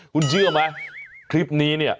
คุณเชื่อไหมคลิปนี้เนี่ย